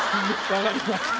分かりました。